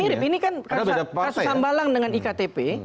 mirip ini kan kasus hambalang dengan iktp